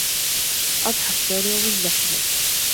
أَضْحَى الشَّارِعُ مُزْدَحِمًا.